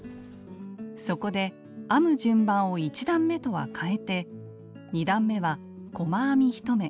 そこで編む順番を１段めとは変えて２段めは細編み１目。